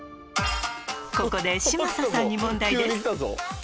ここで嶋佐さんに問題です